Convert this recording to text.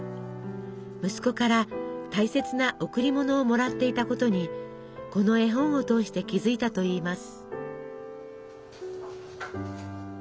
息子から大切な贈り物をもらっていたことにこの絵本を通して気付いたといいます。